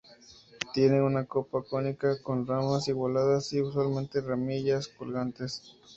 Tiene una copa cónica con ramas igualadas y usualmente ramillas colgantes.